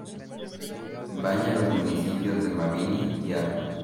Baña los municipios de Mabini y Agno.